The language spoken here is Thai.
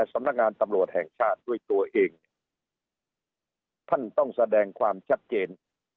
สำนักงานตำรวจแห่งชาติด้วยตัวเองท่านต้องแสดงความชัดเจน